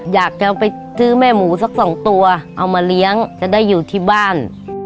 อยากจะไปซื้อแม่หมูสักสองตัวเอามาเลี้ยงจะได้อยู่ที่บ้าน